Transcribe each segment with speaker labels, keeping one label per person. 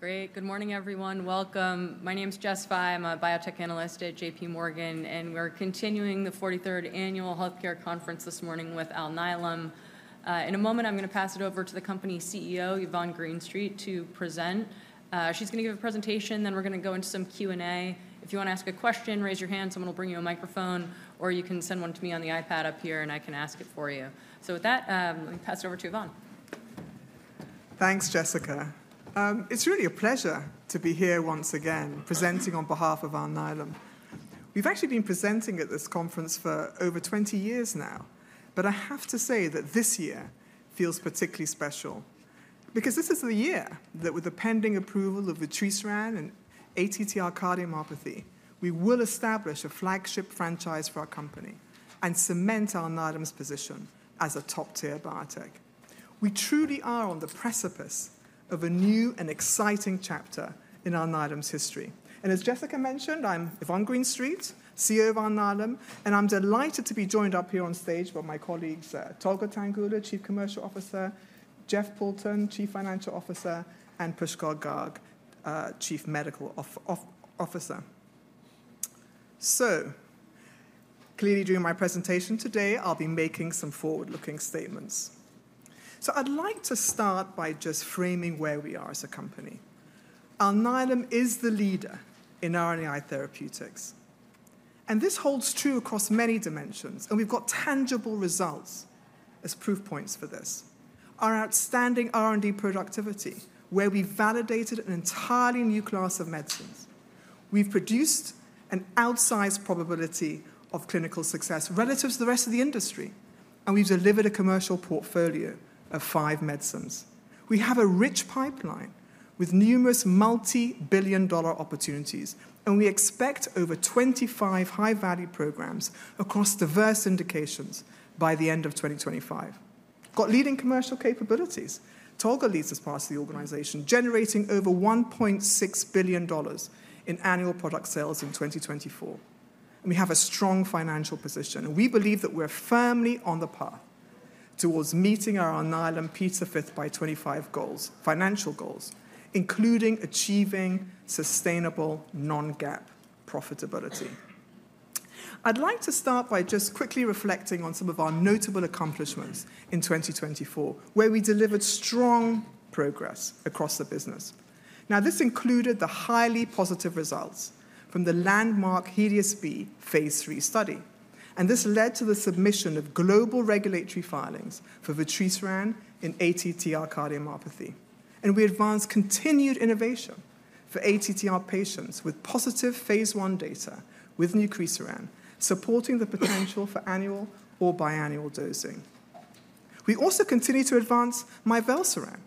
Speaker 1: Great. Good morning, everyone. Welcome. My name's Jessica Fye. I'm a biotech analyst at J.P. Morgan, and we're continuing the 43rd Annual Healthcare Conference this morning with Alnylam. In a moment, I'm going to pass it over to the company CEO, Yvonne Greenstreet, to present. She's going to give a presentation, then we're going to go into some Q&A. If you want to ask a question, raise your hand. Someone will bring you a microphone, or you can send one to me on the iPad up here, and I can ask it for you. So with that, let me pass it over to Yvonne.
Speaker 2: Thanks, Jessica. It's really a pleasure to be here once again, presenting on behalf of Alnylam. We've actually been presenting at this conference for over 20 years now, but I have to say that this year feels particularly special because this is the year that, with the pending approval of vutrisiran and ATTR cardiomyopathy, we will establish a flagship franchise for our company and cement Alnylam's position as a top-tier biotech. We truly are on the precipice of a new and exciting chapter in Alnylam's history. And as Jessica mentioned, I'm Yvonne Greenstreet, CEO of Alnylam, and I'm delighted to be joined up here on stage by my colleagues, Tolga Tanguler, Chief Commercial Officer, Jeff Poulton, Chief Financial Officer, and Pushkal Garg, Chief Medical Officer. So clearly, during my presentation today, I'll be making some forward-looking statements. I'd like to start by just framing where we are as a company. Alnylam is the leader in RNAi therapeutics, and this holds true across many dimensions. We've got tangible results as proof points for this: our outstanding R&D productivity, where we validated an entirely new class of medicines. We've produced an outsized probability of clinical success relative to the rest of the industry, and we've delivered a commercial portfolio of five medicines. We have a rich pipeline with numerous multi-billion dollar opportunities, and we expect over 25 high-value programs across diverse indications by the end of 2025. We've got leading commercial capabilities. Tolga leads this part of the organization, generating over $1.6 billion in annual product sales in 2024. We have a strong financial position, and we believe that we're firmly on the path towards meeting our Alnylam P5x25 goals, financial goals, including achieving sustainable non-GAAP profitability. I'd like to start by just quickly reflecting on some of our notable accomplishments in 2024, where we delivered strong progress across the business. Now, this included the highly positive results from the landmark HELIOS-B Phase III study, and this led to the submission of global regulatory filings for vutrisiran in ATTR cardiomyopathy. And we advanced continued innovation for ATTR patients with positive Phase I data with nucresiran, supporting the potential for annual or biannual dosing. We also continue to advance mivelsiran,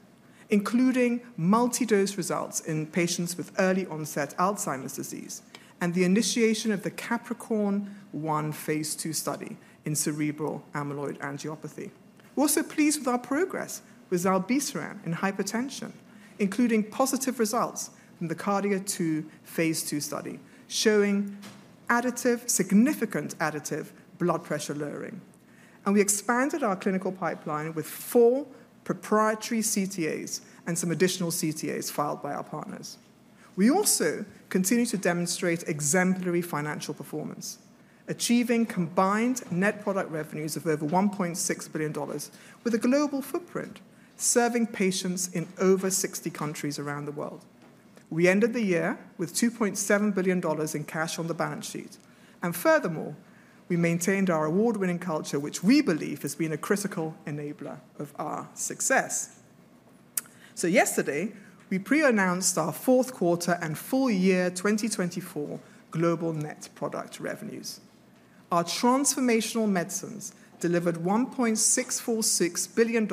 Speaker 2: including multi-dose results in patients with early-onset Alzheimer's disease and the initiation of the KAPricorn-1 Phase II study in cerebral amyloid angiopathy. We're also pleased with our progress with zilebesiran in hypertension, including positive results from the KARDIA-2 Phase II study showing significant additive blood pressure lowering, and we expanded our clinical pipeline with four proprietary CTAs and some additional CTAs filed by our partners. We also continue to demonstrate exemplary financial performance, achieving combined net product revenues of over $1.6 billion with a global footprint serving patients in over 60 countries around the world. We ended the year with $2.7 billion in cash on the balance sheet, and furthermore, we maintained our award-winning culture, which we believe has been a critical enabler of our success, so yesterday, we pre-announced our fourth quarter and full year 2024 global net product revenues. Our transformational medicines delivered $1.646 billion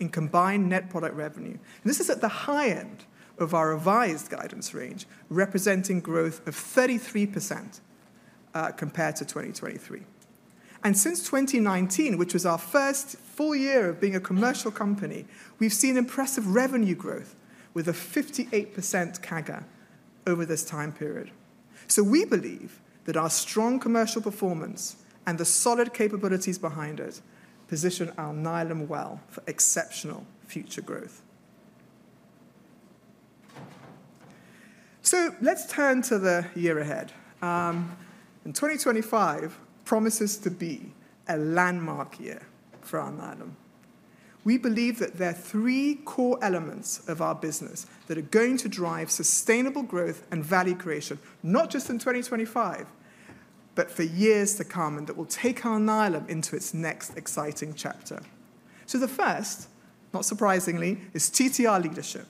Speaker 2: in combined net product revenue, and this is at the high end of our revised guidance range, representing growth of 33% compared to 2023. Since 2019, which was our first full year of being a commercial company, we've seen impressive revenue growth with a 58% CAGR over this time period. We believe that our strong commercial performance and the solid capabilities behind it position Alnylam well for exceptional future growth. Let's turn to the year ahead. 2025 promises to be a landmark year for Alnylam. We believe that there are three core elements of our business that are going to drive sustainable growth and value creation, not just in 2025, but for years to come, and that will take Alnylam into its next exciting chapter. The first, not surprisingly, is TTR leadership,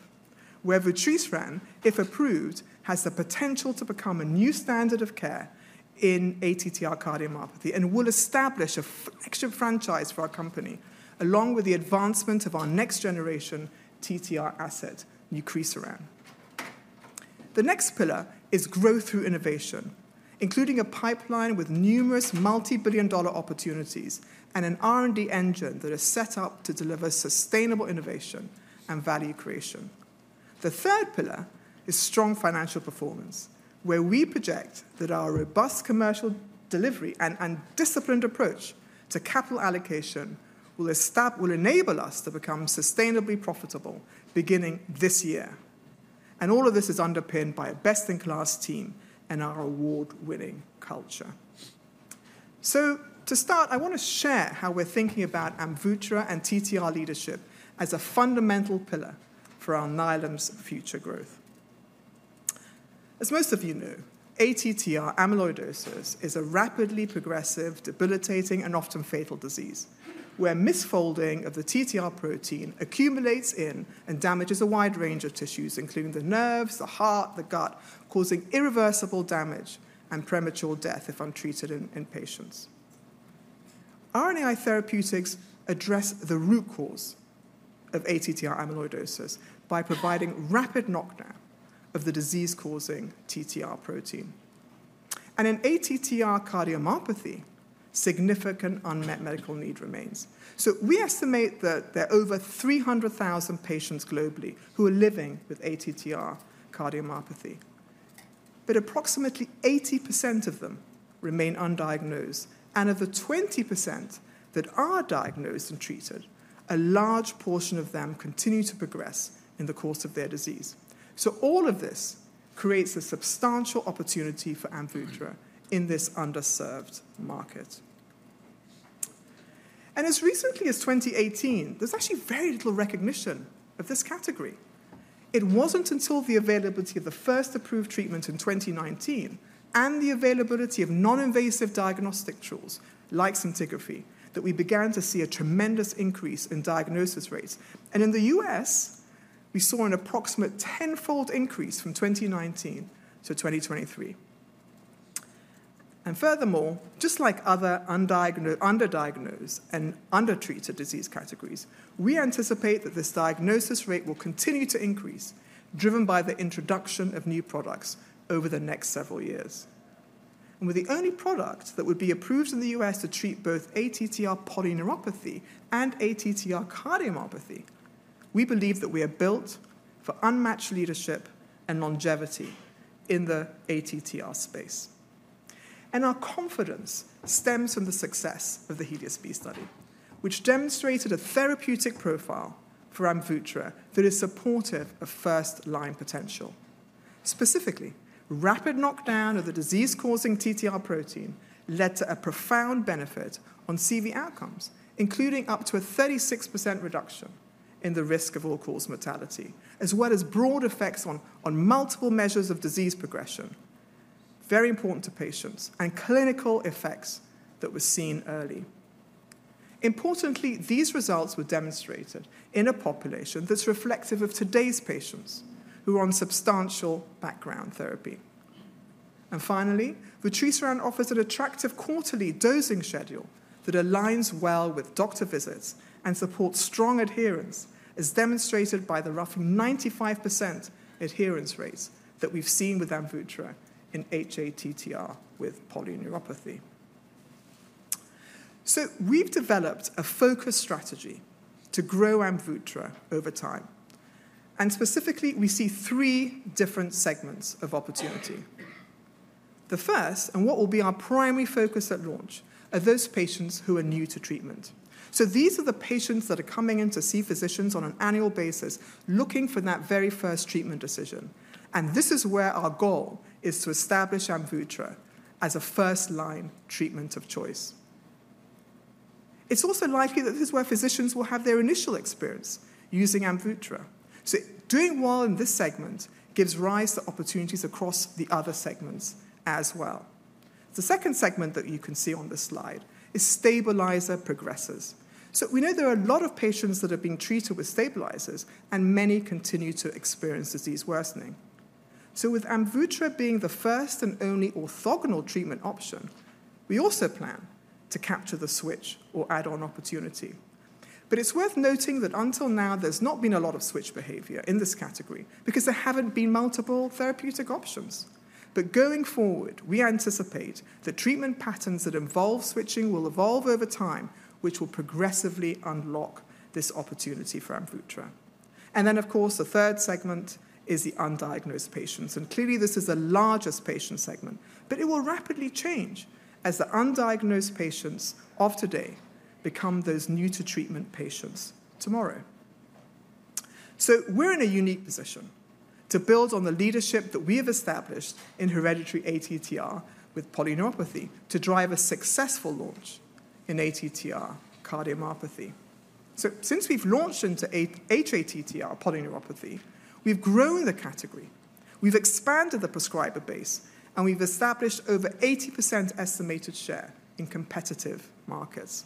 Speaker 2: where vutrisiran, if approved, has the potential to become a new standard of care in ATTR cardiomyopathy and will establish an ATTR franchise for our company, along with the advancement of our next generation TTR asset, nucresiran. The next pillar is growth through innovation, including a pipeline with numerous multi-billion-dollar opportunities and an R&D engine that is set up to deliver sustainable innovation and value creation. The third pillar is strong financial performance, where we project that our robust commercial delivery and disciplined approach to capital allocation will enable us to become sustainably profitable beginning this year. And all of this is underpinned by a best-in-class team and our award-winning culture. So to start, I want to share how we're thinking about Amvutra and TTR leadership as a fundamental pillar for Alnylam's future growth. As most of you know, ATTR amyloidosis is a rapidly progressive, debilitating, and often fatal disease, where misfolding of the TTR protein accumulates in and damages a wide range of tissues, including the nerves, the heart, the gut, causing irreversible damage and premature death if untreated in patients. RNAi therapeutics address the root cause of ATTR amyloidosis by providing rapid knockdown of the disease-causing TTR protein, and in ATTR cardiomyopathy, significant unmet medical need remains, so we estimate that there are over 300,000 patients globally who are living with ATTR cardiomyopathy, but approximately 80% of them remain undiagnosed, and of the 20% that are diagnosed and treated, a large portion of them continue to progress in the course of their disease, so all of this creates a substantial opportunity for Amvutra in this underserved market, and as recently as 2018, there's actually very little recognition of this category. It wasn't until the availability of the first approved treatment in 2019 and the availability of non-invasive diagnostic tools like scintigraphy that we began to see a tremendous increase in diagnosis rates, and in the U.S., we saw an approximate tenfold increase from 2019 to 2023. Furthermore, just like other undiagnosed and undertreated disease categories, we anticipate that this diagnosis rate will continue to increase, driven by the introduction of new products over the next several years. With the only product that would be approved in the U.S. to treat both ATTR polyneuropathy and ATTR cardiomyopathy, we believe that we are built for unmatched leadership and longevity in the ATTR space. Our confidence stems from the success of the HELIOS-B study, which demonstrated a therapeutic profile for Amvutra that is supportive of first-line potential. Specifically, rapid knockdown of the disease-causing TTR protein led to a profound benefit on CV outcomes, including up to a 36% reduction in the risk of all-cause mortality, as well as broad effects on multiple measures of disease progression, very important to patients, and clinical effects that were seen early. Importantly, these results were demonstrated in a population that's reflective of today's patients who are on substantial background therapy, and finally, vutrisiran offers an attractive quarterly dosing schedule that aligns well with doctor visits and supports strong adherence, as demonstrated by the roughly 95% adherence rates that we've seen with Amvutra in hATTR with polyneuropathy, so we've developed a focused strategy to grow Amvutra over time, and specifically, we see three different segments of opportunity. The first, and what will be our primary focus at launch, are those patients who are new to treatment, so these are the patients that are coming in to see physicians on an annual basis looking for that very first treatment decision, and this is where our goal is to establish Amvutra as a first-line treatment of choice. It's also likely that this is where physicians will have their initial experience using Amvutra. Doing well in this segment gives rise to opportunities across the other segments as well. The second segment that you can see on this slide is stabilizer progressors. We know there are a lot of patients that are being treated with stabilizers, and many continue to experience disease worsening. With AMVUTTRA being the first and only orthogonal treatment option, we also plan to capture the switch or add-on opportunity. It's worth noting that until now, there's not been a lot of switch behavior in this category because there haven't been multiple therapeutic options. Going forward, we anticipate that treatment patterns that involve switching will evolve over time, which will progressively unlock this opportunity for AMVUTTRA. Then, of course, the third segment is the undiagnosed patients. Clearly, this is the largest patient segment, but it will rapidly change as the undiagnosed patients of today become those new-to-treatment patients tomorrow. We're in a unique position to build on the leadership that we have established in hereditary ATTR polyneuropathy to drive a successful launch in ATTR cardiomyopathy. Since we've launched into hATTR polyneuropathy, we've grown the category, we've expanded the prescriber base, and we've established over 80% estimated share in competitive markets.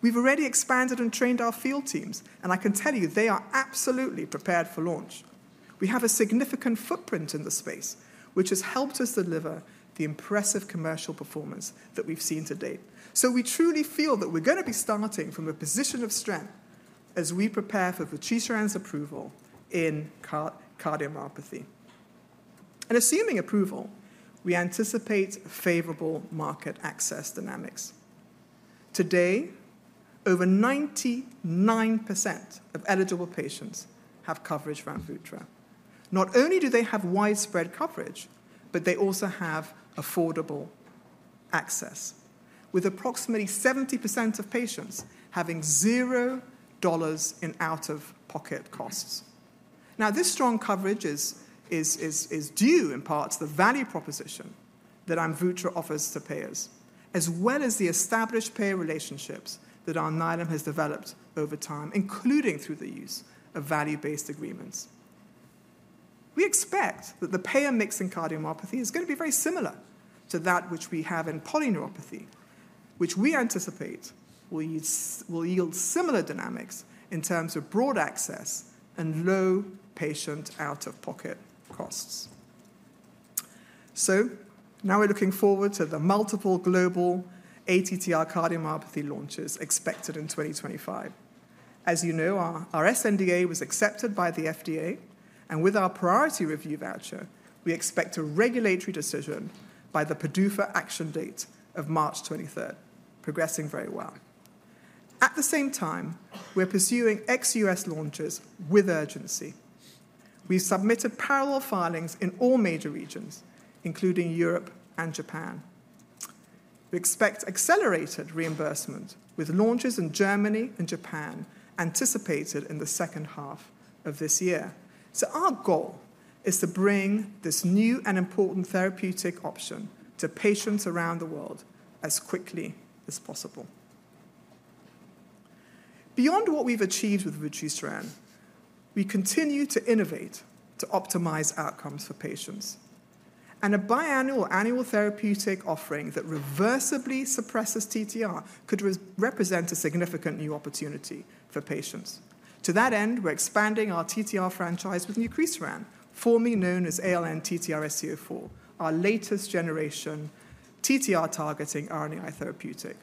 Speaker 2: We've already expanded and trained our field teams, and I can tell you they are absolutely prepared for launch. We have a significant footprint in the space, which has helped us deliver the impressive commercial performance that we've seen to date. We truly feel that we're going to be starting from a position of strength as we prepare for vutrisiran's approval in cardiomyopathy. Assuming approval, we anticipate favorable market access dynamics. Today, over 99% of eligible patients have coverage for Amvutra. Not only do they have widespread coverage, but they also have affordable access, with approximately 70% of patients having $0 in out-of-pocket costs. Now, this strong coverage is due in part to the value proposition that Amvutra offers to payers, as well as the established payer relationships that Alnylam has developed over time, including through the use of value-based agreements. We expect that the payer mix in cardiomyopathy is going to be very similar to that which we have in polyneuropathy, which we anticipate will yield similar dynamics in terms of broad access and low patient out-of-pocket costs. Now we're looking forward to the multiple global ATTR cardiomyopathy launches expected in 2025. As you know, our sNDA was accepted by the FDA, and with our priority review voucher, we expect a regulatory decision by the PDUFA action date of March 23rd, progressing very well. At the same time, we're pursuing ex-US launches with urgency. We've submitted parallel filings in all major regions, including Europe and Japan. We expect accelerated reimbursement with launches in Germany and Japan anticipated in the second half of this year, so our goal is to bring this new and important therapeutic option to patients around the world as quickly as possible. Beyond what we've achieved with vutrisiran, we continue to innovate to optimize outcomes for patients, and a biannual or annual therapeutic offering that reversibly suppresses TTR could represent a significant new opportunity for patients. To that end, we're expanding our TTR franchise with nucresiran, formerly known as ALN-TTR-SC04, our latest generation TTR targeting RNAi therapeutic.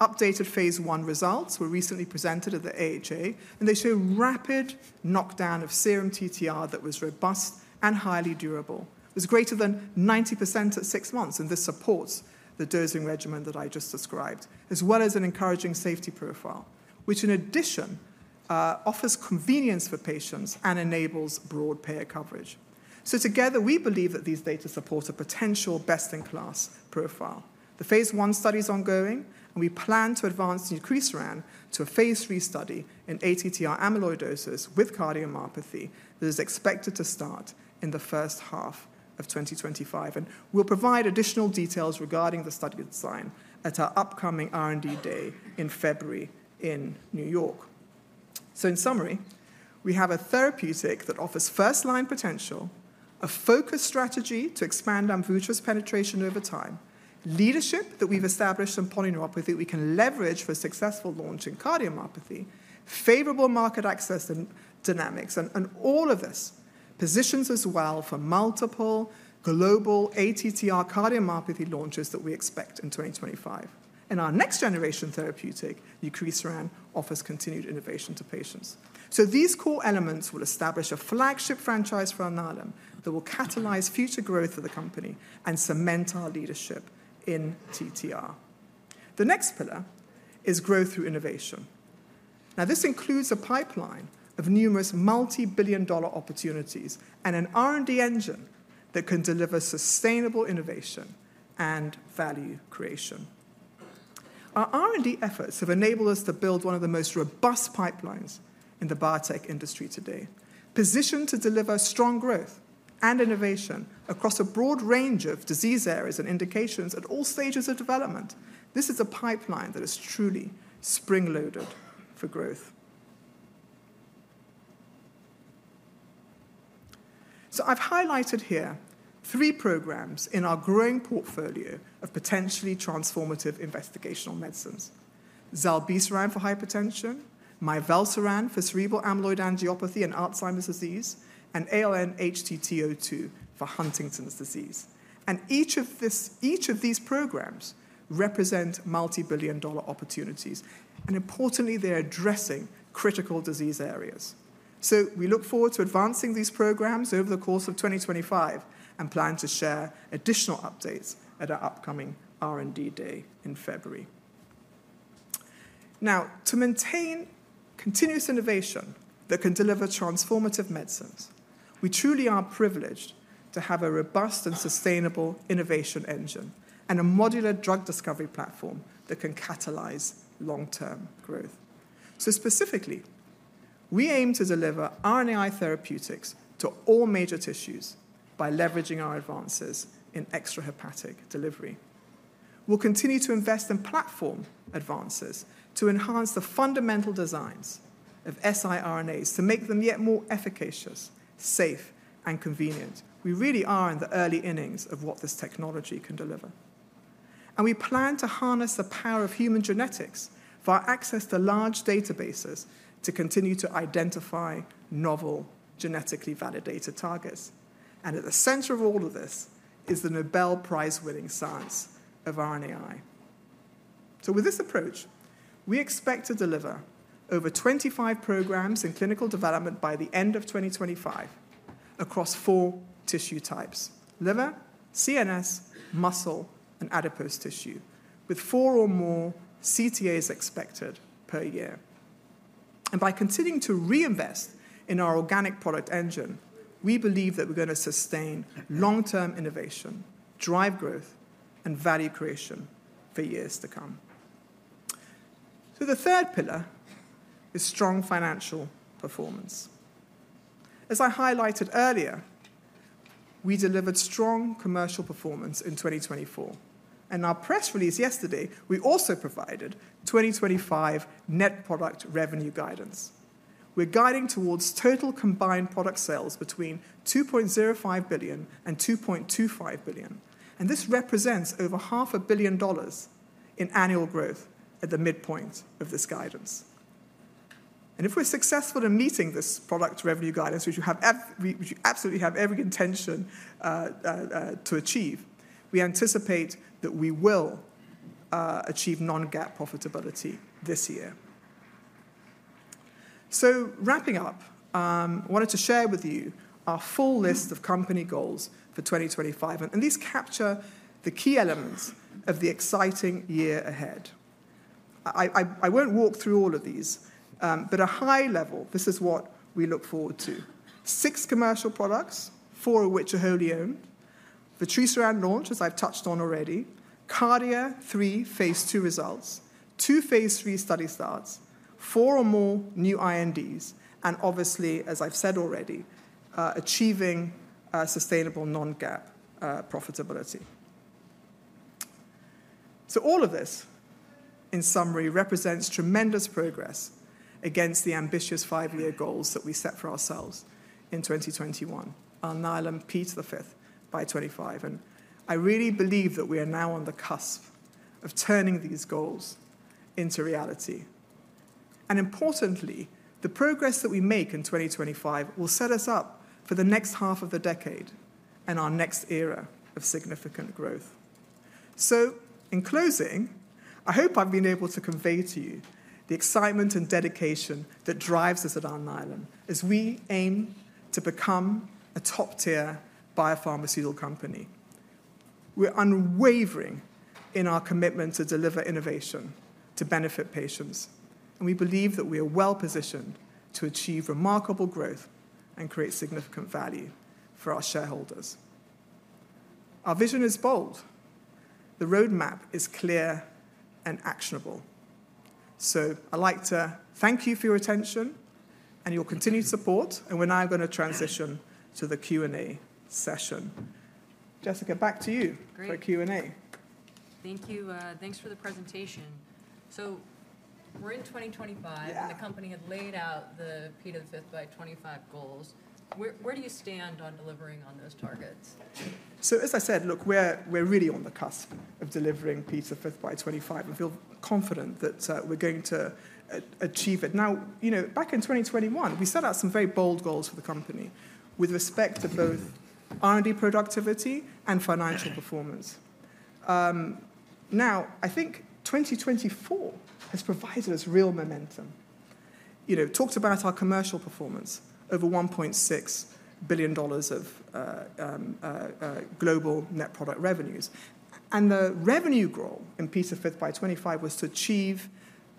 Speaker 2: Updated Phase I results were recently presented at the AHA, and they show rapid knockdown of serum TTR that was robust and highly durable. It was greater than 90% at six months, and this supports the dosing regimen that I just described, as well as an encouraging safety profile, which in addition offers convenience for patients and enables broad payer coverage, so together, we believe that these data support a potential best-in-class profile. The Phase I study is ongoing, and we plan to advance nucresiran to a Phase III study in ATTR amyloidosis with cardiomyopathy that is expected to start in the first half of 2025, and we'll provide additional details regarding the study design at our upcoming R&D day in February in New York. So in summary, we have a therapeutic that offers first-line potential, a focused strategy to expand Amvutra's penetration over time, leadership that we've established in polyneuropathy that we can leverage for successful launch in cardiomyopathy, favorable market access dynamics, and all of this positions us well for multiple global ATTR cardiomyopathy launches that we expect in 2025. And our next generation therapeutic, nucresiran, offers continued innovation to patients. So these core elements will establish a flagship franchise for Alnylam that will catalyze future growth for the company and cement our leadership in TTR. The next pillar is growth through innovation. Now, this includes a pipeline of numerous multi-billion dollar opportunities and an R&D engine that can deliver sustainable innovation and value creation. Our R&D efforts have enabled us to build one of the most robust pipelines in the biotech industry today, positioned to deliver strong growth and innovation across a broad range of disease areas and indications at all stages of development. This is a pipeline that is truly spring-loaded for growth, so I've highlighted here three programs in our growing portfolio of potentially transformative investigational medicines: zilebesiran for hypertension, mivelsiran for cerebral amyloid angiopathy and Alzheimer's disease, and ALN-HTT02 for Huntington's disease, and each of these programs represent multi-billion-dollar opportunities, and importantly, they're addressing critical disease areas, so we look forward to advancing these programs over the course of 2025 and plan to share additional updates at our upcoming R&D day in February. Now, to maintain continuous innovation that can deliver transformative medicines, we truly are privileged to have a robust and sustainable innovation engine and a modular drug discovery platform that can catalyze long-term growth. So specifically, we aim to deliver RNAi therapeutics to all major tissues by leveraging our advances in extrahepatic delivery. We'll continue to invest in platform advances to enhance the fundamental designs of siRNAs to make them yet more efficacious, safe, and convenient. We really are in the early innings of what this technology can deliver. And we plan to harness the power of human genetics for access to large databases to continue to identify novel genetically validated targets. And at the center of all of this is the Nobel Prize-winning science of RNAi. With this approach, we expect to deliver over 25 programs in clinical development by the end of 2025 across four tissue types: liver, CNS, muscle, and adipose tissue, with four or more CTAs expected per year. By continuing to reinvest in our organic product engine, we believe that we're going to sustain long-term innovation, drive growth, and value creation for years to come. The third pillar is strong financial performance. As I highlighted earlier, we delivered strong commercial performance in 2024. In our press release yesterday, we also provided 2025 net product revenue guidance. We're guiding towards total combined product sales between $2.05 billion and $2.25 billion. This represents over $500 million in annual growth at the midpoint of this guidance. If we're successful in meeting this product revenue guidance, which we absolutely have every intention to achieve, we anticipate that we will achieve non-GAAP profitability this year. Wrapping up, I wanted to share with you our full list of company goals for 2025. These capture the key elements of the exciting year ahead. I won't walk through all of these, but at a high level, this is what we look forward to: six commercial products, four of which are wholly owned, vutrisiran launch, as I've touched on already, KARDIA-3 Phase II results, two Phase III study starts, four or more new INDs, and obviously, as I've said already, achieving sustainable non-GAAP profitability. All of this, in summary, represents tremendous progress against the ambitious five-year goals that we set for ourselves in 2021. Alnylam P5x25. And I really believe that we are now on the cusp of turning these goals into reality. And importantly, the progress that we make in 2025 will set us up for the next half of the decade and our next era of significant growth. So in closing, I hope I've been able to convey to you the excitement and dedication that drives us at Alnylam as we aim to become a top-tier biopharmaceutical company. We're unwavering in our commitment to deliver innovation to benefit patients. And we believe that we are well positioned to achieve remarkable growth and create significant value for our shareholders. Our vision is bold. The roadmap is clear and actionable. So I'd like to thank you for your attention and your continued support. And we're now going to transition to the Q&A session. Jessica, back to you for Q&A.
Speaker 1: Thank you. Thanks for the presentation. So we're in 2025, and the company had laid out the P5x25 goals. Where do you stand on delivering on those targets?
Speaker 2: As I said, look, we're really on the cusp of delivering P5x25. We feel confident that we're going to achieve it. Now, you know, back in 2021, we set out some very bold goals for the company with respect to both R&D productivity and financial performance. Now, I think 2024 has provided us real momentum. You know, talked about our commercial performance, over $1.6 billion of global net product revenues. And the revenue goal in P5x25 was to achieve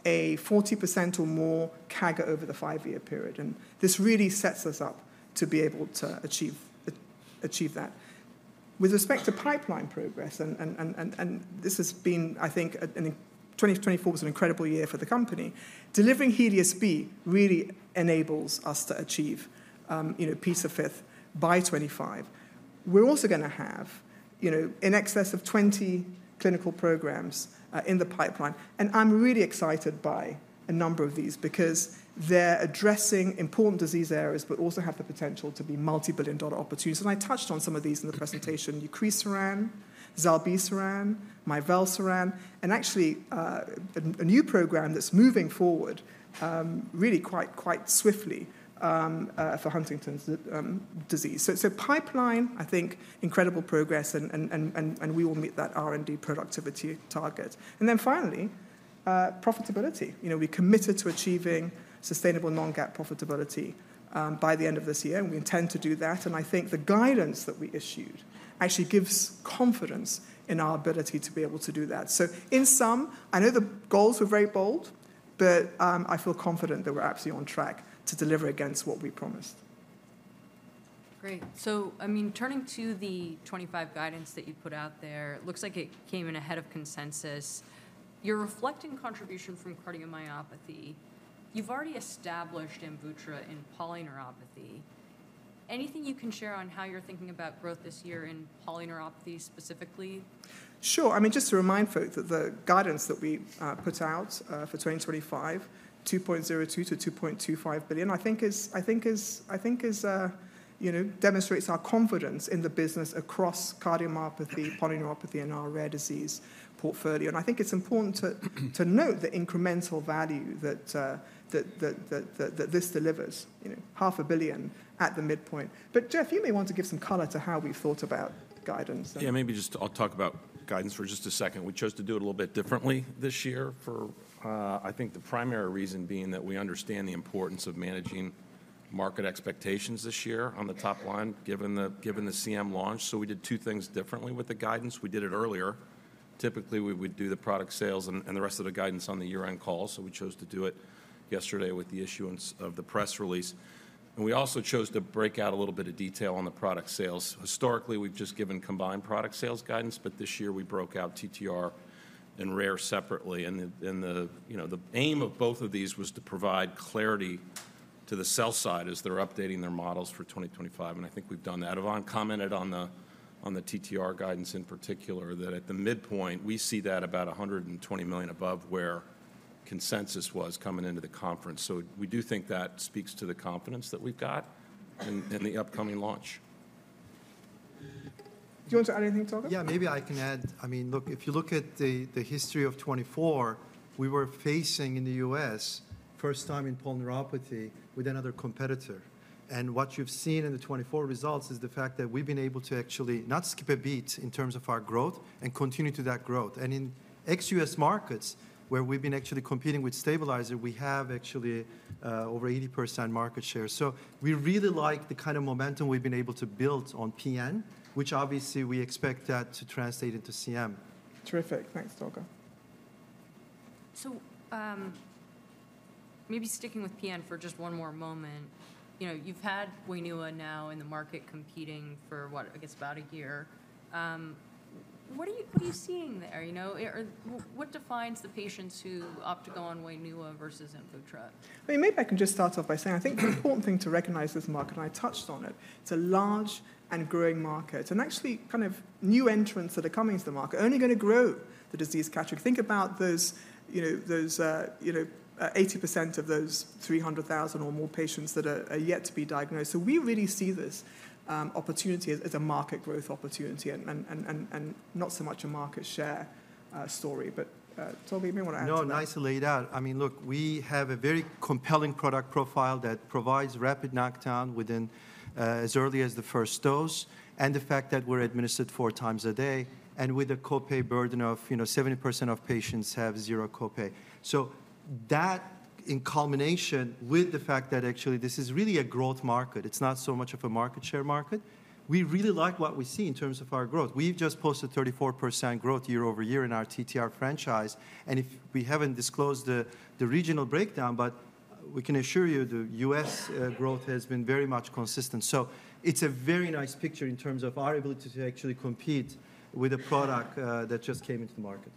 Speaker 2: a 40% or more CAGR over the five-year period. And this really sets us up to be able to achieve that. With respect to pipeline progress, and this has been, I think 2024 was an incredible year for the company, delivering HELIOS-B really enables us to achieve P5x25. We're also going to have, you know, in excess of 20 clinical programs in the pipeline. And I'm really excited by a number of these because they're addressing important disease areas, but also have the potential to be multi-billion dollar opportunities. And I touched on some of these in the presentation: nucresiran, zilebesiran, mivelsiran, and actually a new program that's moving forward really quite swiftly for Huntington's disease. So pipeline, I think, incredible progress, and we will meet that R&D productivity target. And then finally, profitability. You know, we're committed to achieving sustainable non-GAAP profitability by the end of this year, and we intend to do that. And I think the guidance that we issued actually gives confidence in our ability to be able to do that. In sum, I know the goals were very bold, but I feel confident that we're absolutely on track to deliver against what we promised.
Speaker 1: Great. So, I mean, turning to the 2025 guidance that you put out there, it looks like it came in ahead of consensus. You're reflecting contribution from cardiomyopathy. You've already established Amvutra in polyneuropathy. Anything you can share on how you're thinking about growth this year in polyneuropathy specifically?
Speaker 3: Sure. I mean, just to remind folks that the guidance that we put out for 2025, $2.02 billion-$2.25 billion, I think is, you know, demonstrates our confidence in the business across cardiomyopathy, polyneuropathy, and our rare disease portfolio. And I think it's important to note the incremental value that this delivers, you know, $500 million at the midpoint. But Jeff, you may want to give some color to how we've thought about guidance.
Speaker 4: Yeah, maybe just I'll talk about guidance for just a second. We chose to do it a little bit differently this year for, I think, the primary reason being that we understand the importance of managing market expectations this year on the top line given the CM launch. So we did two things differently with the guidance. We did it earlier. Typically, we would do the product sales and the rest of the guidance on the year-end call. So we chose to do it yesterday with the issuance of the press release. And we also chose to break out a little bit of detail on the product sales. Historically, we've just given combined product sales guidance, but this year we broke out TTR and rare separately. And you know, the aim of both of these was to provide clarity to the sell side as they're updating their models for 2025. And I think we've done that. Yvonne commented on the TTR guidance in particular that at the midpoint, we see that about $120 million above where consensus was coming into the conference. So we do think that speaks to the confidence that we've got in the upcoming launch.
Speaker 1: Do you want to add anything to that?
Speaker 3: Yeah, maybe I can add. I mean, look, if you look at the history of 2024, we were facing in the U.S., first time in polyneuropathy with another competitor. And what you've seen in the 2024 results is the fact that we've been able to actually not skip a beat in terms of our growth and continue to that growth. And in ex-U.S. markets where we've been actually competing with the stabilizer, we have actually over 80% market share. So we really like the kind of momentum we've been able to build on PN, which obviously we expect that to translate into CM.
Speaker 2: Terrific. Thanks, Tolga.
Speaker 1: So maybe sticking with PN for just one more moment. You know, you've had Wainua now in the market competing for, what, I guess, about a year. What are you seeing there? You know, what defines the patients who opt to go on Wainua versus Amvuttra?
Speaker 2: I mean, maybe I can just start off by saying I think the important thing to recognize this market, and I touched on it. It's a large and growing market. Actually, kind of new entrants that are coming into the market are only going to grow the disease category. Think about those, you know, those, you know, 80% of those 300,000 or more patients that are yet to be diagnosed. We really see this opportunity as a market growth opportunity and not so much a market share story. Tolga, you may want to add something.
Speaker 3: No, nicely laid out. I mean, look, we have a very compelling product profile that provides rapid knockdown within as early as the first dose, and the fact that we're administered four times a day, and with a copay burden of, you know, 70% of patients have zero copay. So that, in combination with the fact that actually this is really a growth market, it's not so much of a market share market. We really like what we see in terms of our growth. We've just posted 34% growth year over year in our TTR franchise, and if we haven't disclosed the regional breakdown, but we can assure you the U.S. growth has been very much consistent. So it's a very nice picture in terms of our ability to actually compete with a product that just came into the market.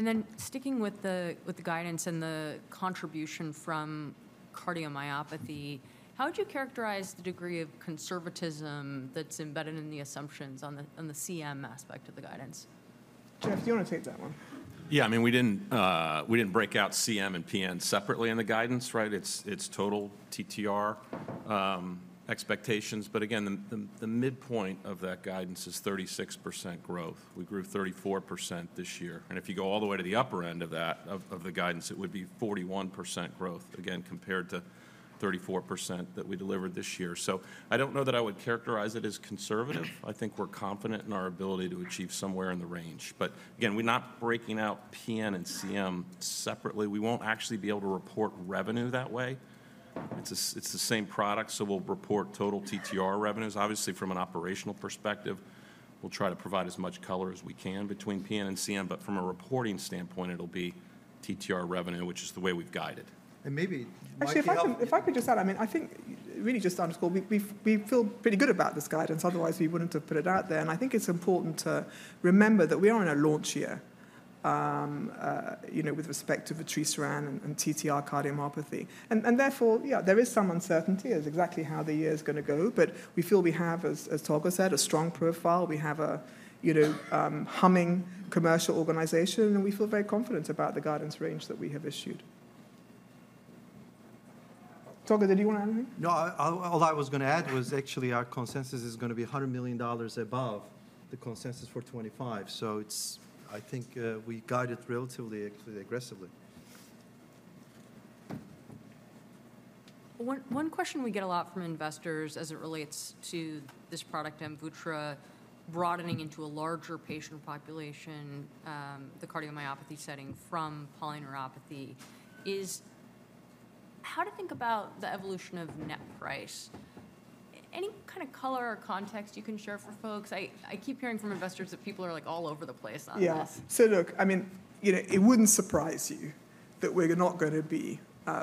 Speaker 2: That's great.
Speaker 1: And then sticking with the guidance and the contribution from cardiomyopathy, how would you characterize the degree of conservatism that's embedded in the assumptions on the CM aspect of the guidance?
Speaker 3: Jeff, do you want to take that one?
Speaker 4: Yeah, I mean, we didn't break out CM and PN separately in the guidance, right? It's total TTR expectations. But again, the midpoint of that guidance is 36% growth. We grew 34% this year. And if you go all the way to the upper end of that, of the guidance, it would be 41% growth, again, compared to 34% that we delivered this year. So I don't know that I would characterize it as conservative. I think we're confident in our ability to achieve somewhere in the range. But again, we're not breaking out PN and CM separately. We won't actually be able to report revenue that way. It's the same product. So we'll report total TTR revenues. Obviously, from an operational perspective, we'll try to provide as much color as we can between PN and CM. But from a reporting standpoint, it'll be TTR revenue, which is the way we've guided.
Speaker 3: And maybe Michael.
Speaker 2: Actually, if I could just add, I mean, I think really just to underscore, we feel pretty good about this guidance. Otherwise, we wouldn't have put it out there. And I think it's important to remember that we are in a launch year, you know, with respect to vutrisiran and TTR cardiomyopathy. And therefore, yeah, there is some uncertainty as exactly how the year is going to go. But we feel we have, as Tolga said, a strong profile. We have a, you know, humming commercial organization. And we feel very confident about the guidance range that we have issued. Tolga, did you want to add anything?
Speaker 3: No, all I was going to add was actually our consensus is going to be $100 million above the consensus for 2025. So it's, I think we guided relatively aggressively.
Speaker 1: One question we get a lot from investors as it relates to this product, Amvutra, broadening into a larger patient population, the cardiomyopathy setting from polyneuropathy is how to think about the evolution of net price. Any kind of color or context you can share for folks? I keep hearing from investors that people are like all over the place on this.
Speaker 2: Yeah. So look, I mean, you know, it wouldn't surprise you that we're not going to be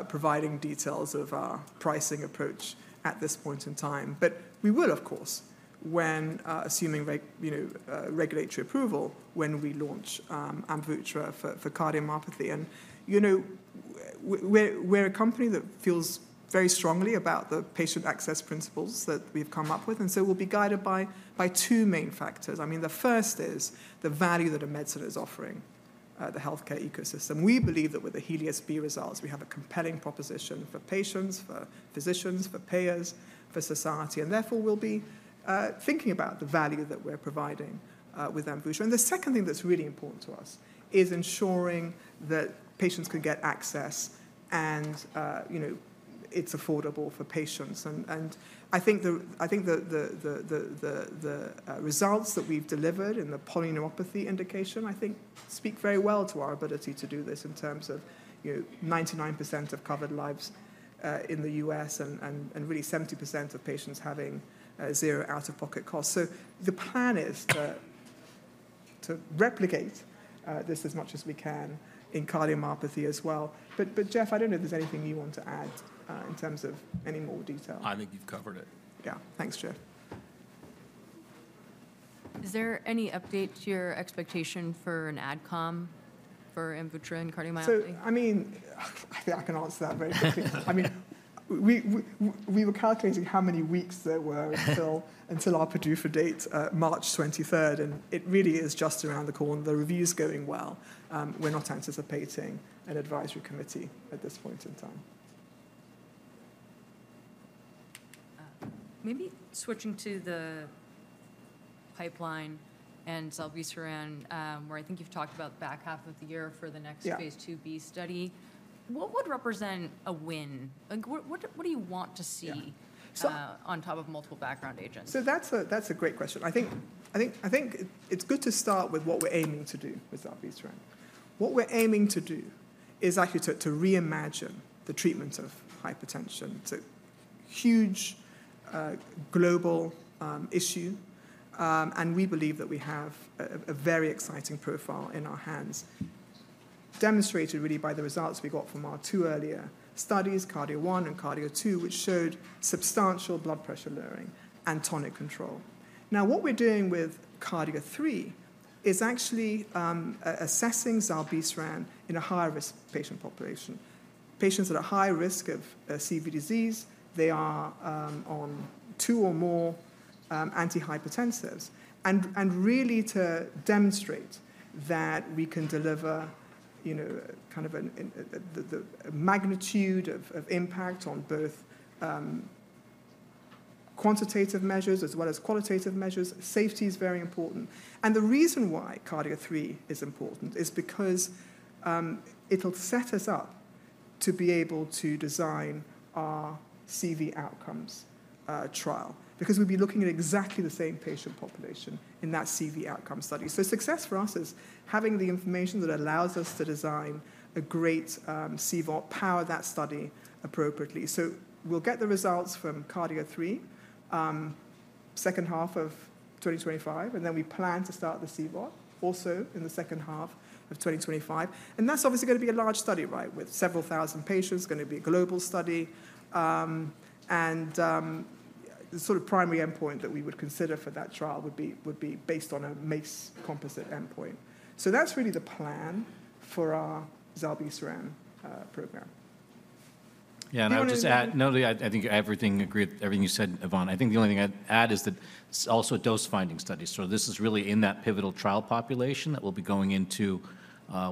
Speaker 2: providing details of our pricing approach at this point in time. But we will, of course, when assuming, you know, regulatory approval when we launch AMVUTTRA for cardiomyopathy. And, you know, we're a company that feels very strongly about the patient access principles that we've come up with. And so we'll be guided by two main factors. I mean, the first is the value that a medicine is offering the healthcare ecosystem. We believe that with the HELIOS-B results, we have a compelling proposition for patients, for physicians, for payers, for society. And therefore, we'll be thinking about the value that we're providing with AMVUTTRA. And the second thing that's really important to us is ensuring that patients can get access and, you know, it's affordable for patients. And I think the results that we've delivered in the polyneuropathy indication, I think, speak very well to our ability to do this in terms of, you know, 99% of covered lives in the U.S. and really 70% of patients having zero out-of-pocket costs. So the plan is to replicate this as much as we can in cardiomyopathy as well. But Jeff, I don't know if there's anything you want to add in terms of any more detail.
Speaker 4: I think you've covered it.
Speaker 2: Yeah. Thanks, Jeff.
Speaker 1: Is there any update to your expectation for an AdCom for Amvuttra in cardiomyopathy?
Speaker 2: I mean, I think I can answer that very quickly. I mean, we were calculating how many weeks there were until our PDUFA date, March 23rd. It really is just around the corner. The review's going well. We're not anticipating an advisory committee at this point in time.
Speaker 1: Maybe switching to the pipeline and zilebesiran, where I think you've talked about the back half of the year for the next Phase IIb study. What would represent a win? What do you want to see on top of multiple background agents?
Speaker 5: That's a great question. I think it's good to start with what we're aiming to do with zilebesiran. What we're aiming to do is actually to reimagine the treatment of hypertension, it's a huge global issue. We believe that we have a very exciting profile in our hands, demonstrated really by the results we got from our two earlier studies, KARDIA-1 and KARDIA-2, which showed substantial blood pressure lowering and nocturnal control. Now, what we're doing with KARDIA-3 is actually assessing zilebesiran in a higher risk patient population. Patients that are high risk of CV disease, they are on two or more antihypertensives. Really to demonstrate that we can deliver, you know, kind of the magnitude of impact on both quantitative measures as well as qualitative measures. Safety is very important. And the reason why KARDIA-3 is important is because it'll set us up to be able to design our CV outcomes trial because we'll be looking at exactly the same patient population in that CV outcome study. So success for us is having the information that allows us to design a great CVOT, power that study appropriately. So we'll get the results from KARDIA-3 second half of 2025. And then we plan to start the CVOT also in the second half of 2025. And that's obviously going to be a large study, right, with several thousand patients, going to be a global study. And the sort of primary endpoint that we would consider for that trial would be based on a MACE composite endpoint. So that's really the plan for our zilebesiran program. Yeah, and I would just add, not only I think everything agreed with everything you said, Yvonne. I think the only thing I'd add is that it's also a dose-finding study. So this is really in that pivotal trial population that we'll be going into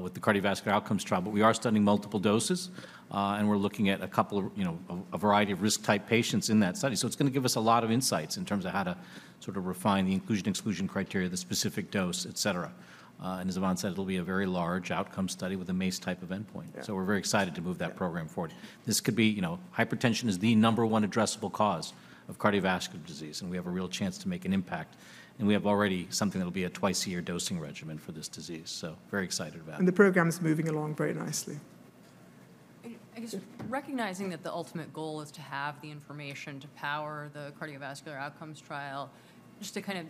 Speaker 5: with the cardiovascular outcomes trial. But we are studying multiple doses. And we're looking at a couple of, you know, a variety of risk-type patients in that study. So it's going to give us a lot of insights in terms of how to sort of refine the inclusion-exclusion criteria, the specific dose, et cetera. And as Yvonne said, it'll be a very large outcome study with a MACE type of endpoint. So we're very excited to move that program forward. This could be, you know, hypertension is the number one addressable cause of cardiovascular disease. And we have a real chance to make an impact. We have already something that'll be a twice-a-year dosing regimen for this disease. Very excited about it.
Speaker 2: The program's moving along very nicely.
Speaker 1: I guess recognizing that the ultimate goal is to have the information to power the cardiovascular outcomes trial, just to kind of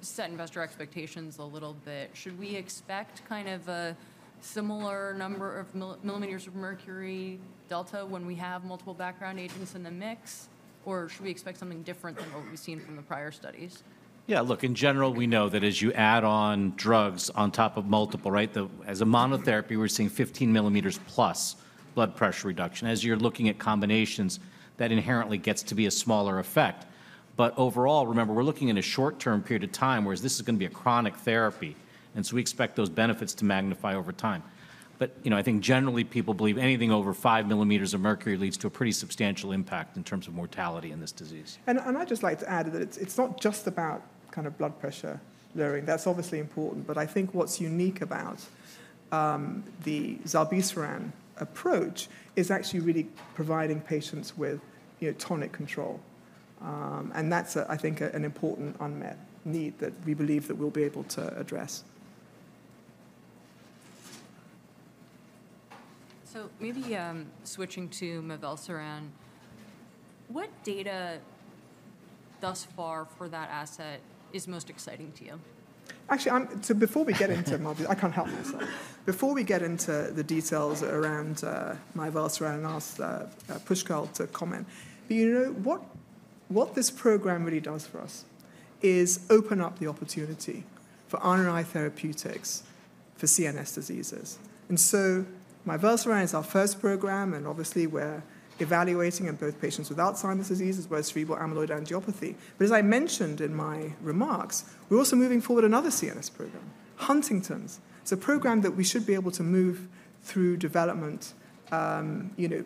Speaker 1: set investor expectations a little bit, should we expect kind of a similar number of millimeters of mercury delta when we have multiple background agents in the mix? Or should we expect something different than what we've seen from the prior studies?
Speaker 5: Yeah, look, in general, we know that as you add on drugs on top of multiple, right, as a monotherapy, we're seeing 15 millimeters plus blood pressure reduction. As you're looking at combinations, that inherently gets to be a smaller effect. But overall, remember, we're looking at a short-term period of time where this is going to be a chronic therapy. And so we expect those benefits to magnify over time. But, you know, I think generally people believe anything over five millimeters of mercury leads to a pretty substantial impact in terms of mortality in this disease.
Speaker 2: I'd just like to add that it's not just about kind of blood pressure lowering. That's obviously important. But I think what's unique about the zilebesiran approach is actually really providing patients with, you know, tonic control. That's, I think, an important unmet need that we believe that we'll be able to address.
Speaker 1: So maybe switching to mivelsiran, what data thus far for that asset is most exciting to you?
Speaker 2: Actually, so before we get into it, I can't help myself. Before we get into the details around mivelsiran, I'll ask Pushkal to comment. But you know, what this program really does for us is open up the opportunity for RNAi therapeutics for CNS diseases. And so mivelsiran is our first program. And obviously, we're evaluating in both patients with Alzheimer's disease as well as cerebral amyloid angiopathy. But as I mentioned in my remarks, we're also moving forward another CNS program, Huntington's. It's a program that we should be able to move through development, you know,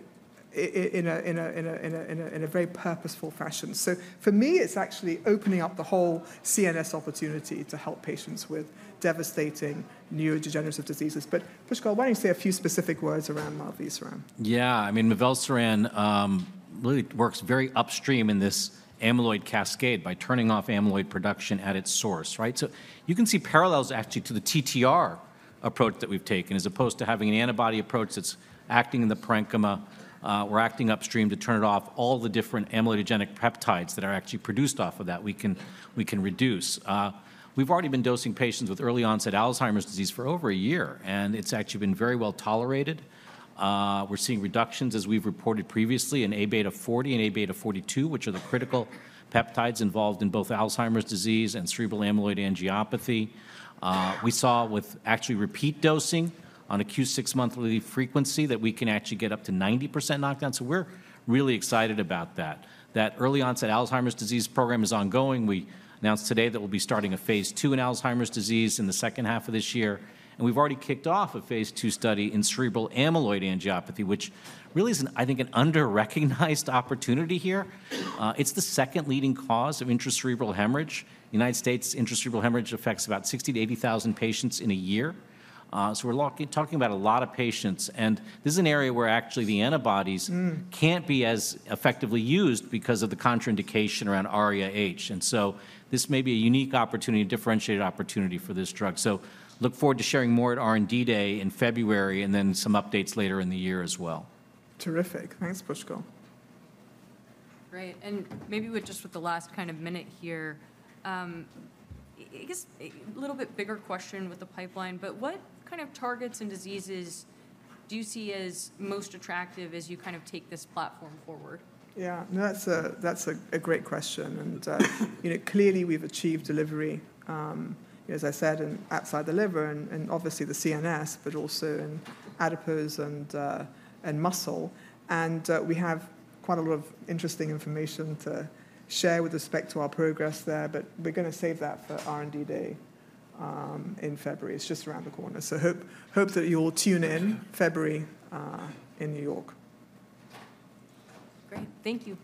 Speaker 2: in a very purposeful fashion. So for me, it's actually opening up the whole CNS opportunity to help patients with devastating neurodegenerative diseases. But Pushkal, why don't you say a few specific words around mivelsiran?
Speaker 5: Yeah, I mean, mivelsiran really works very upstream in this amyloid cascade by turning off amyloid production at its source, right? So you can see parallels actually to the TTR approach that we've taken as opposed to having an antibody approach that's acting in the parenchyma or acting upstream to turn it off all the different amyloidogenic peptides that are actually produced off of that we can reduce. We've already been dosing patients with early onset Alzheimer's disease for over a year, and it's actually been very well tolerated. We're seeing reductions as we've reported previously in A-beta 40 and A-beta 42, which are the critical peptides involved in both Alzheimer's disease and cerebral amyloid angiopathy. We saw with actually repeat dosing on a q6 monthly frequency that we can actually get up to 90% knockdown, so we're really excited about that. That early onset Alzheimer's disease program is ongoing. We announced today that we'll be starting a Phase II in Alzheimer's disease in the second half of this year, and we've already kicked off a Phase II study in cerebral amyloid angiopathy, which really is, I think, an under-recognized opportunity here. It's the second leading cause of intracerebral hemorrhage. The United States' intracerebral hemorrhage affects about 60,000-80,000 patients in a year, so we're talking about a lot of patients, and this is an area where actually the antibodies can't be as effectively used because of the contraindication around ARIA-H, and so this may be a unique opportunity, a differentiated opportunity for this drug, so look forward to sharing more at R&D Day in February and then some updates later in the year as well.
Speaker 2: Terrific. Thanks, Pushkal.
Speaker 1: Great. And maybe with just the last kind of minute here, I guess a little bit bigger question with the pipeline. But what kind of targets and diseases do you see as most attractive as you kind of take this platform forward?
Speaker 2: Yeah, that's a great question, and you know, clearly we've achieved delivery, as I said, in outside the liver and obviously the CNS, but also in adipose and muscle, and we have quite a lot of interesting information to share with respect to our progress there, but we're going to save that for R&D Day in February. It's just around the corner, so hope that you'll tune in February in New York.
Speaker 1: Great. Thank you.